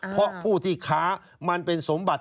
เพราะผู้ที่ค้ามันเป็นสมบัติ